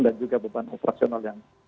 dan juga beban operasional